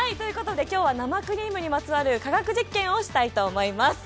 今日は生クリームにまつわる化学実験をしたいと思います。